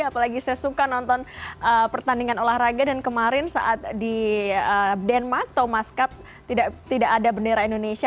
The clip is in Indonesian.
apalagi saya suka nonton pertandingan olahraga dan kemarin saat di denmark thomas cup tidak ada bendera indonesia